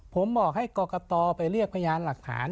ผมบอกให้กรกตไปเรียกพยานหลักฐาน